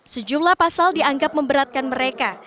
sejumlah pasal dianggap memberatkan mereka